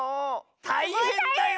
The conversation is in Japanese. たいへんだよ。